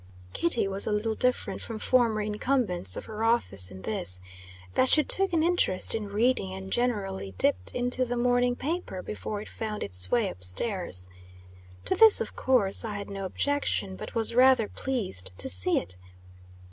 Kitty was a little different from former incumbents of her office in this, that she took an interest in reading, and generally dipped into the morning paper before it found its way up stairs. To this, of course, I had no objection, but was rather pleased to see it.